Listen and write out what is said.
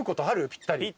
ぴったり。